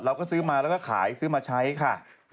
เราก็ซื้อเสร็จค่ายซื้อได้มาใช้ค่ะ